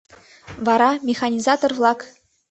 Вара — механизатор-влак.